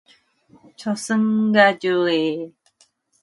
철수가 동여 주는 붉은 끈을 들여다보는 신철이는 벌써 속이 두근두근함을 느꼈다.